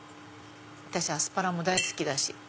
私アスパラも大好きだし。